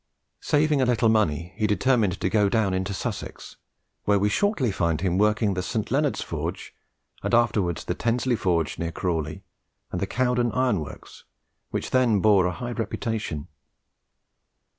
Saving a little money, he determined to go down into Sussex, where we shortly find him working the St. Leonard's Forge, and afterwards the Tensley Forge near Crawley, and the Cowden Iron works, which then bore a high reputation.